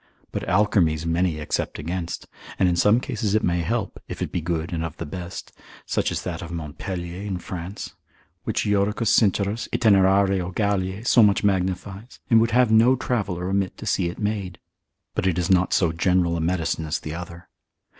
But alkermes many except against; in some cases it may help, if it be good and of the best, such as that of Montpelier in France, which Iodocus Sincerus, Itinerario Galliae, so much magnifies, and would have no traveller omit to see it made. But it is not so general a medicine as the other.